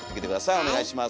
お願いします。